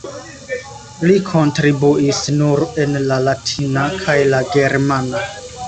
Li kontribuis nur en la latina kaj la germana.